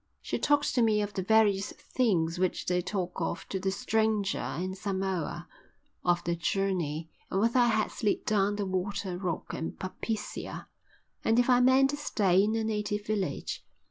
She talked to me of the various things which they talk of to the stranger in Samoa, of the journey, and whether I had slid down the water rock at Papaseea, and if I meant to stay in a native village.